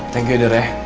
thank you udah deh